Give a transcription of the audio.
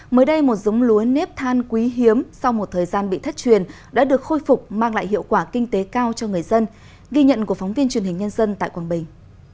mới đây một giống lúa nếp than quý hiếm sau một thời gian bị thất truyền đã được khôi phục mang lại hiệu quả kinh tế cao cho người dân ghi nhận của phóng viên truyền hình nhân dân tại quảng bình